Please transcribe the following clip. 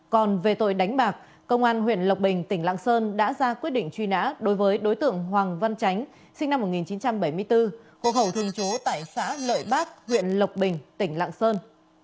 còn về tội đánh bạc công an huyện lộc bình tỉnh lạng sơn đã ra quyết định truy nã đối với đối tượng hoàng văn tránh sinh năm một nghìn chín trăm bảy mươi bốn hộ khẩu thường trú tại xã lợi bác huyện lộc bình tỉnh lạng sơn